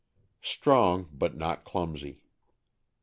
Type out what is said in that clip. — Strong, but not clumsy.